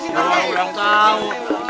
udah tahu yang tahu